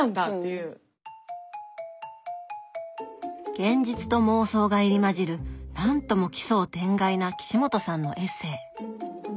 現実と妄想が入り交じるなんとも奇想天外な岸本さんのエッセー。